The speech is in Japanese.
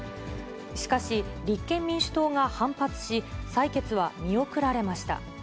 しかし、立憲民主党が反発し、採決は見送られました。